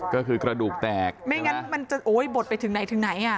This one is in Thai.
ก็คือกระดูกแตกไม่งั้นมันจะโอ๊ยบดไปถึงไหนถึงไหนอ่ะ